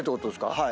はい。